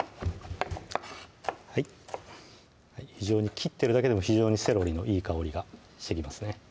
切ってるだけでも非常にセロリのいい香りがしてきますね